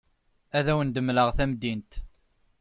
Ad awen-d-mleɣ tamdint.